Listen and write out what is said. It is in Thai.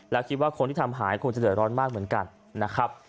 แล้วคิดว่าคนที่ทำหายคงจะเดือดร้อนมากเหมือนกันนะครับ